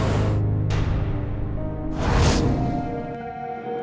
saya tidak tahu apa yang akan terjadi